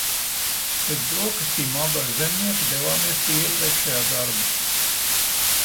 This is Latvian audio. Pēc brokastīm abi ar Zemnieku devāmies pie iepriekšējā darba.